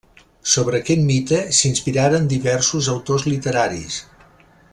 Sobre aquest mite s'inspiraren diversos autors literaris.